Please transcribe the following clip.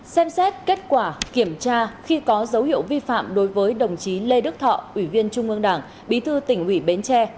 xem xét kết quả kiểm tra khi có dấu hiệu vi phạm đối với đồng chí lê đức thọ ủy viên trung ương đảng bí thư tỉnh ủy bến tre